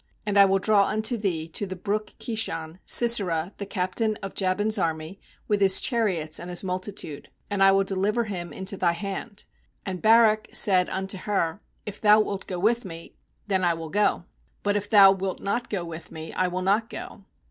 7And I will draw unto thee to the brook Kishon Sisera, the captain of Jabin's army, with his chariots and his multitude; and I will deliver him into thy hand/ 8And Barak said unto her: 'If thou wilt go with me, then I will go; but if thou wilt not go with me, I will not go.'